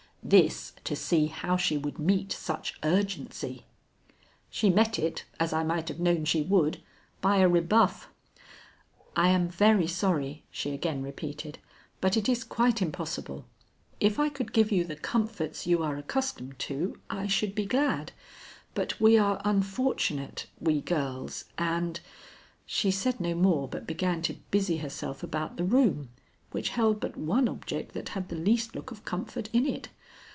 This, to see how she would meet such urgency. She met it, as I might have known she would, by a rebuff. "I am very sorry," she again repeated, "but it is quite impossible. If I could give you the comforts you are accustomed to, I should be glad, but we are unfortunate, we girls, and " She said no more, but began to busy herself about the room, which held but one object that had the least look of comfort in it.